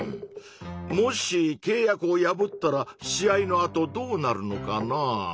もしけい約を破ったら試合のあとどうなるのかな？